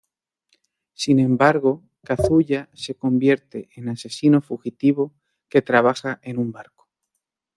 Sin embargo, Kazuya se convierte en asesino fugitivo que trabaja en un barco.